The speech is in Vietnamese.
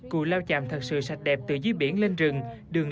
cù lao chàm thật sự sạch đẹp từ dưới biển lên rừng